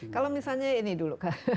kalau misalnya ini dulu